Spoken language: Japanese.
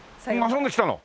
遊んできたの？